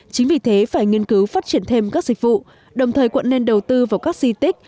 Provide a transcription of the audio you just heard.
chính vì thế phải nghiên cứu phát triển thêm các dịch vụ đồng thời quận nên đầu tư vào các di tích